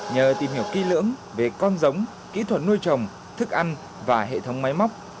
nhờ tìm hiểu kỹ lưỡng về con giống kỹ thuật nuôi trồng thức ăn và hệ thống máy móc